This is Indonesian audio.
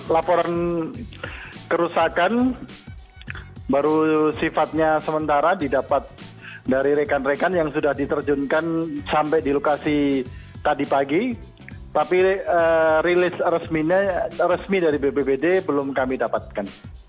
laporan kerusakan baru sifatnya sementara didapat dari rekan rekan yang sudah diterjunkan sampai di lokasi tadi pagi tapi rilis resmi dari bbbd belum kami dapatkan